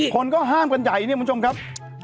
คนก็ห้ามกันใหญ่นี่มุญชมครับ